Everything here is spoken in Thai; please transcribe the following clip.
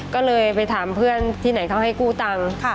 ก็เลยไปถามเพื่อนที่ไหนเขาให้กู้ตังค์